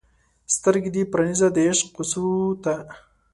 سترګې دې پرانیزه د عشق کوڅو ته